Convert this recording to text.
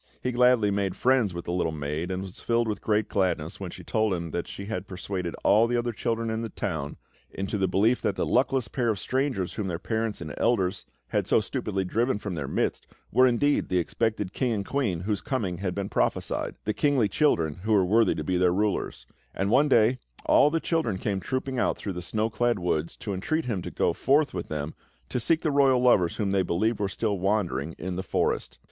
He gladly made friends with the little maid, and was filled with great gladness when she told him that she had persuaded all the other children in the town into the belief that the luckless pair of strangers whom their parents and elders had so stupidly driven from their midst were indeed the expected King and Queen whose coming had been prophesied the kingly children who were worthy to be their rulers; and one day, all the children came trooping out through the snow clad woods to entreat him to go forth with them to seek the royal lovers whom they believed were still wandering in the forest.